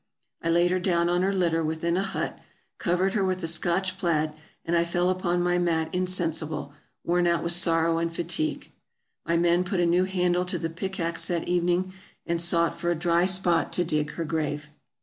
I laid her down on her litter within a hut; covered her with a Scotch plaid; and I fell upon my mat insensible, worn out with sorrow and fatigue. My men put a new handle to the pickaxe that evening ,and sought for a dry spot to dig her grave